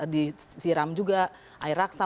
disiram juga air aksa